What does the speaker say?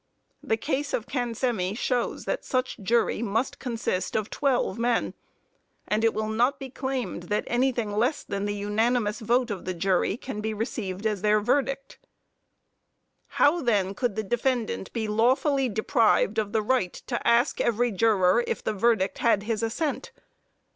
The case of Cancemi shows that such jury must consist of twelve men; and it will not be claimed that anything less than the unanimous voice of the jury can be received as their verdict. How then could the defendant be lawfully deprived of the right to ask every juror if the verdict had his assent?